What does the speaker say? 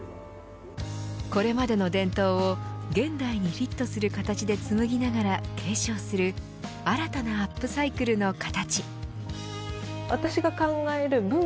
これまでの伝統を、現代にフィットする形で紡ぎながら継承する新たなアップサイクルの形。